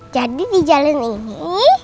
jadi di jalan ini